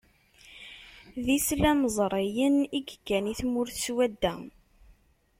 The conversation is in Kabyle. D islamẓriyen i yekkan i tmurt swadda.